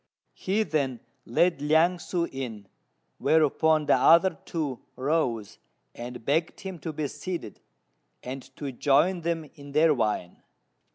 He then led Liang ssŭ in; whereupon the other two rose, and begged him to be seated, and to join them in their wine.